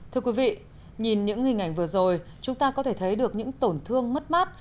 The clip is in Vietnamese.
thưa quý vị nhìn những hình ảnh vừa rồi chúng ta có thể thấy được những tổn thương mất mát